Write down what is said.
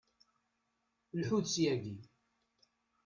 Lḥut syagi!